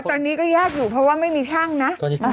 ตอนนี้ก็ยากอยู่เพราะว่าไม่มีช่างนะ